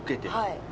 はい。